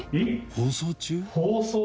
「放送中」。